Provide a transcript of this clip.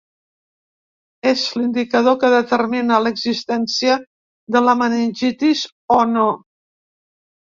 És l’indicador que determina l’existència de la meningitis o no.